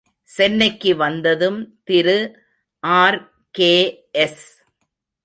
சென்னைக்கு வந்ததும் திரு ஆர்.கே.எஸ்.